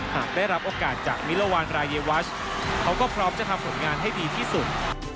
หากได้รับโอกาสจากมิลวานรายวัชเขาก็พร้อมจะทำผลงานให้ดีที่สุด